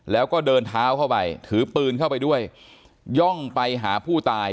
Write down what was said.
แล้วก็เดินเท้าเข้าไปถือปืนเข้าไปด้วยย่องไปหาผู้ตาย